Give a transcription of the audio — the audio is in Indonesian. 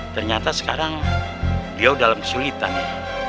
ternyata sekarang dia udah kesulitan ya